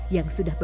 yang sudah bebas